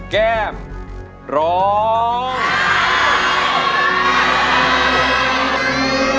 แก้มร้องได้